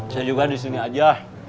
saya juga disini aja